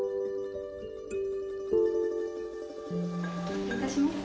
失礼いたします。